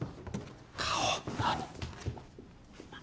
顔何？